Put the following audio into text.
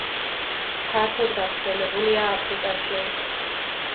ფართოდ გავრცელებულია აფრიკაში.